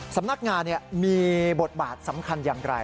สำนักงานมีบทบาทสำคัญอย่างไร